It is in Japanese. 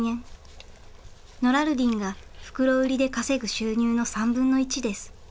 ノラルディンが袋売りで稼ぐ収入の３分の１です。